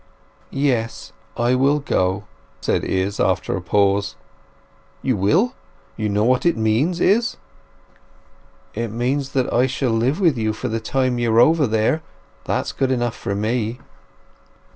"Yes—I will go," said Izz, after a pause. "You will? You know what it means, Izz?" "It means that I shall live with you for the time you are over there—that's good enough for me."